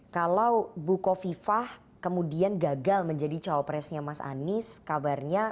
kalau bu kofifah kemudian gagal menjadi cowok presnya mas anies kabarnya